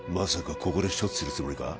ここで処置するつもりか？